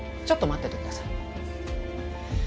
ちょっと待っててください。